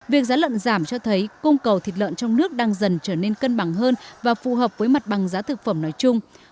việc giá lợn giảm cho thấy cung cầu thịt lợn trong nước đang dần trở nên cân bằng hơn và phù hợp với mặt bằng giá thực phẩm nói chung